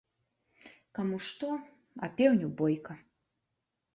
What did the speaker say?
Каму што, а пеўню ‒ бойка